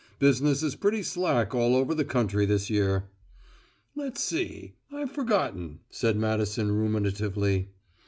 Business is pretty slack all over the country this year." "Let's see I've forgotten," said Madison ruminatively.